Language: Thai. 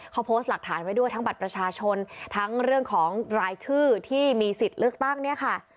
เขาโพสต์หลักฐานไว้ด้วยทั้งบัตรประชาชนทั้งเรื่องของรายชื่อที่มีสิทธิ์เลือกตั้งเนี่ยค่ะ